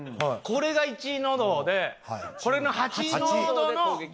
これが１のどでこれの８のどの。